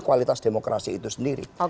kualitas demokrasi itu sendiri